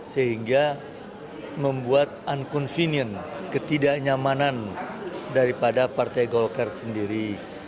sehingga membuat unconvenient ketidaknyamanan daripada partai golkar sendiri